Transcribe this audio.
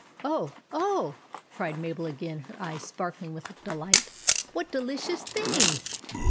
" Oh, oh !" cried Mabel again, her eyes sparkling with delight. "What delicious things!"